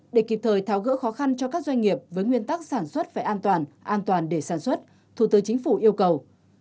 để kịp thời tháo gỡ khó khăn cho các doanh nghiệp với nguyên tắc sản xuất phải an toàn an toàn để sản xuất thủ tướng chính phủ yêu cầu